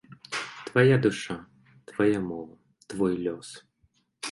Твая душа, твая мова, твой лёс.